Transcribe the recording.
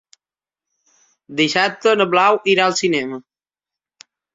Dissabte na Blau irà al cinema.